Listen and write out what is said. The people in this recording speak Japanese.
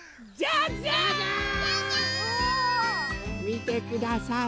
みてください。